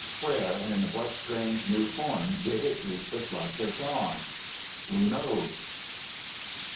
Where and in what strange new form did it greet the flush of dawn? Who knows?